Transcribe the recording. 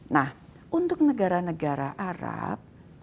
nah untuk negara negara arab